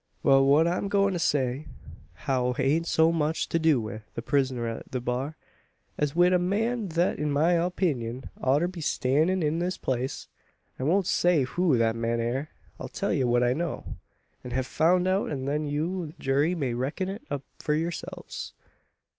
"Wal, what I'm goin' to say now haint so much to do wi' the prisoner at the bar, as wi' a man thet in my opeenyun oughter be stannin' in his place. I won't say who thet man air. I'll tell ye what I know, an hev foun' out, an then you o' the jury may reckon it up for yurselves."